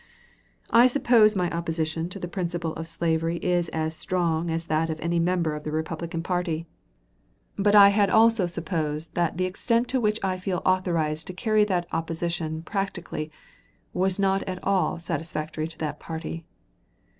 I suppose my opposition to the principle of slavery is as strong as that of any member of the Republican party; but I had also supposed that the extent to which I feel authorized to carry that opposition practically was not at all satisfactory to that party.